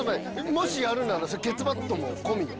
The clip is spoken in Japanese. もしやるならさケツバットも込みよ。